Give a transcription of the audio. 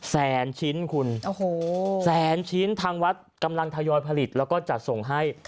แสนชิ้นคุณโอ้โหแสนชิ้นทางวัดกำลังทยอยผลิตแล้วก็จัดส่งให้